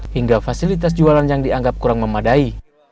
hingga fasilitas jualan yang dianggap kurang memadai